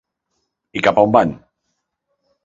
I cap a on van?